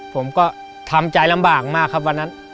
ผมก็ทำใจลำบากมากครับวันนั้น